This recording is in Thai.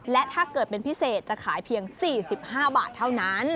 และถ้าเกิดเป็นพิเศษจะขายเพียง๔๕บาทเท่านั้น